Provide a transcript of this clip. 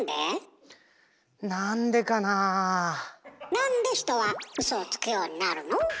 なんで人はウソをつくようになるの？